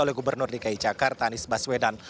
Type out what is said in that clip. oleh gubernur dki jakarta anies baswedan